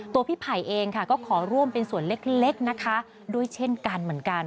พี่ไผ่เองค่ะก็ขอร่วมเป็นส่วนเล็กนะคะด้วยเช่นกันเหมือนกัน